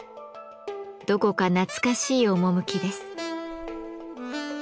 どこか懐かしい趣です。